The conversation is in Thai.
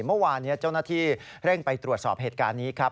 เมื่อวานนี้เจ้าหน้าที่เร่งไปตรวจสอบเหตุการณ์นี้ครับ